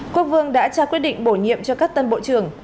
quốc vương đã trao quyết định bổ nhiệm cho các tân bộ trưởng